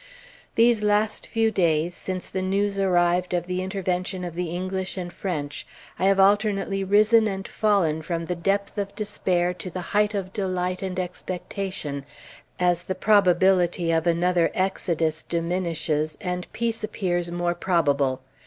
These last few days, since the news arrived of the intervention of the English and French, I have alternately risen and fallen from the depth of despair to the height of delight and expectation, as the probability of another exodus diminishes, and peace appears more probable.